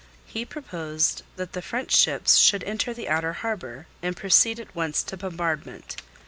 He proposed that the French ships should enter the outer harbour, and proceed at once to bombardment.